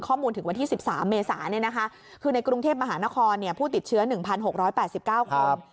ถึงวันที่๑๓เมษาคือในกรุงเทพมหานครผู้ติดเชื้อ๑๖๘๙คน